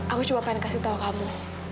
aku cuma pengen kasih tahu kamu